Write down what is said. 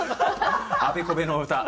あべこべの歌。